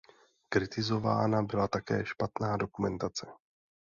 Kritizována byla také špatná dokumentace.